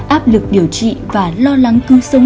áp lực điều trị và lo lắng cư sống